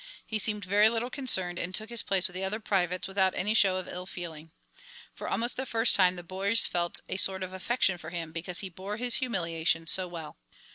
He seemed very little concerned, and took his place with the other privates without any show of ill feeling. For almost the first time the boys felt a sort of affection for him because he bore his humiliation so well.